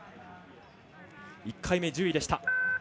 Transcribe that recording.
１回目１０位でした。